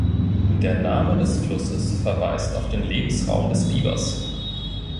Der Name des Flusses verweist auf den Lebensraum des Bibers.